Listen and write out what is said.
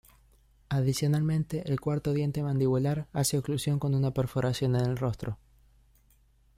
Adicionalmente, el cuarto diente mandibular hace oclusión con una perforación en el rostro.